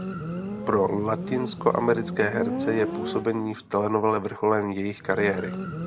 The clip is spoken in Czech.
Pro latinskoamerické herce je působení v telenovele vrcholem jejich kariéry.